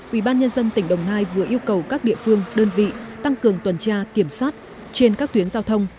ubnd tỉnh đồng nai vừa yêu cầu các địa phương đơn vị tăng cường tuần tra kiểm soát trên các tuyến giao thông